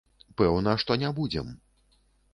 Пэўна, што не будзем.